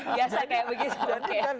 biasa kayak begitu